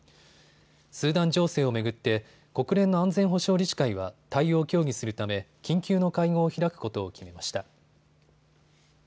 スーダン情勢を巡って国連の安全保障理事会は対応を協議するため緊急の会合を開くことを決めました。